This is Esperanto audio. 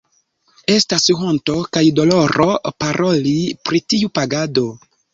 Estas honto kaj doloro paroli pri tiu pagado.